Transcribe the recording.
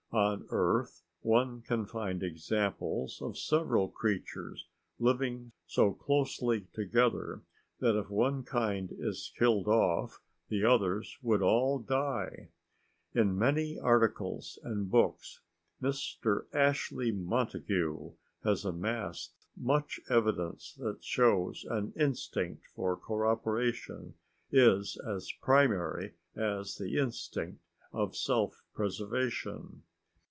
On Earth one can find examples of several creatures living so closely together that if one kind is killed off the others would all die. In many articles and books Mr. Ashley Montague has amassed much evidence that shows an instinct for cooperation is as primary as the instinct of self preservation.